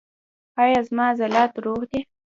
ایا زما عضلات روغ دي؟